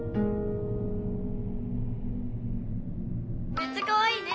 めっちゃかわいいね。